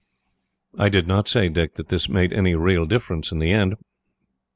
"I do not say, Dick, that this made any real difference, in the end.